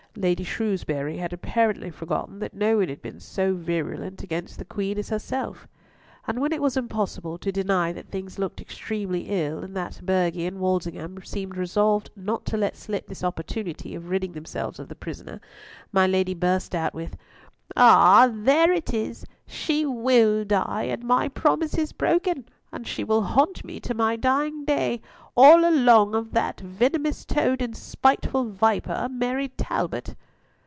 Lady Shrewsbury had apparently forgotten that no one had been so virulent against the Queen as herself. And when it was impossible to deny that things looked extremely ill, and that Burghley and Walsingham seemed resolved not to let slip this opportunity of ridding themselves of the prisoner, my Lady burst out with, "Ah! there it is! She will die, and my promise is broken, and she will haunt me to my dying day, all along of that venomous toad and spiteful viper, Mary Talbot."